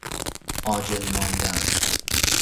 عاجز ماندن